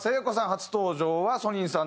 初登場はソニンさん